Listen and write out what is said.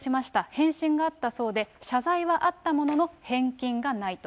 返信があったそうで、謝罪はあったものの、返金がないと。